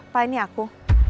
pak ini aku